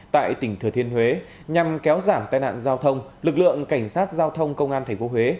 tại tỉnh thừa thiên huế nhằm kéo giảm tai nạn giao thông lực lượng cảnh sát giao thông công an tp huế